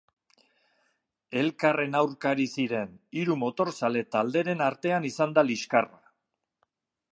Elkarren aurkari ziren hiru motorzale talderen artean izan da liskarra.